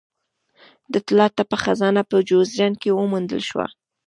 د طلا تپه خزانه په جوزجان کې وموندل شوه